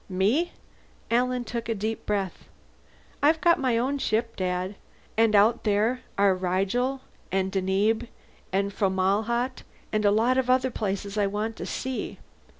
"Me?" Alan took a deep breath. "I've got my own ship, Dad. And out there are Rigel and Deneb and Fomalhaut and a lot of other places I want to see."